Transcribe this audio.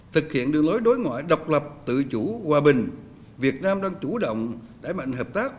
thực hiện đường lối đối ngoại độc lập tự chủ hòa bình việt nam đang chủ động đẩy mạnh hợp tác